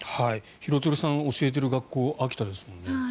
廣津留さん教えている学校、秋田ですよね。